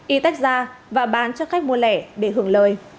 y tách ra và bán cho khách mua lẻ để hưởng lời